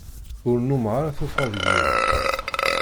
Ur nnumeɣ ara tuffɣa deg iḍ.